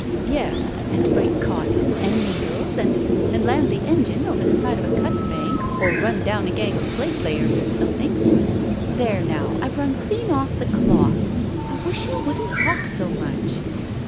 "Yes; and break cotton and needles, and and land the engine over the side of a cut bank, or run down a gang of plate layers or something. There now, I've run clean off the cloth. I wish you wouldn't talk so much."